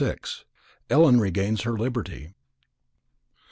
ELLEN REGAINS HER LIBERTY.